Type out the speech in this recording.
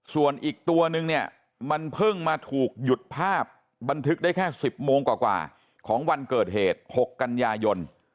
ส่วนอีกตัวนึงเนี่ยมันเพิ่งมาถูกหยุดภาพบันทึกได้แค่๑๐โมงกว่าของวันเกิดเหตุ๖กันยายน